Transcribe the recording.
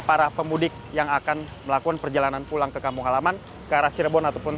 para pemudik yang akan melakukan perjalanan pulang ke kampung halaman ke arah cirebon ataupun